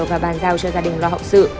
và bàn giao cho gia đình lo hậu sự